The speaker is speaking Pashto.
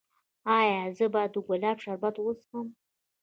ایا زه باید د ګلاب شربت وڅښم؟